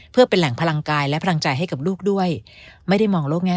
เพื่อเป็นแหล่งพลังกายและพลังใจให้กับลูกด้วยไม่ได้มองโลกแง่